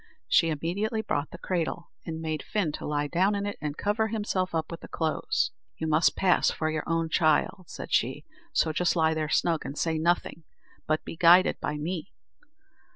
She immediately brought the cradle, and made Fin to lie down in it, and cover himself up with the clothes. "You must pass for your own child," said she; "so just lie there snug, and say nothing, but be guided by me."